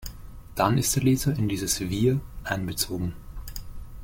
Dann ist der Leser in dieses „Wir“ einbezogen.